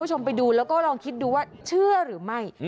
คุณผู้ชมไปดูแล้วก็ลองคิดดูว่าเชื่อหรือไม่